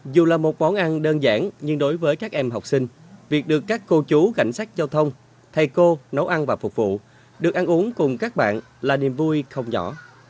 dù là một món ăn đơn giản nhưng đối với các em học sinh việc được các cô chú cảnh sát giao thông thầy cô nấu ăn và phục vụ được ăn uống cùng các bạn là niềm vui không nhỏ